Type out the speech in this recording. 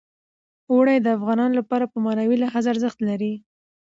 اوړي د افغانانو لپاره په معنوي لحاظ ارزښت لري.